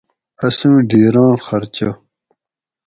اسوں ڈیراں خرچہ